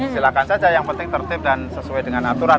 silakan saja yang penting tertib dan sesuai dengan aturan